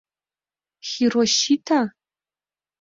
Хиросита?!